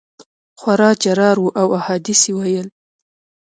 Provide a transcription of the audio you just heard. خورا جرار وو او احادیث یې ویل.